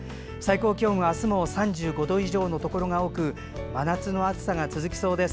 最高気温はあすも３５度以上のところが多く真夏の暑さが続きそうです。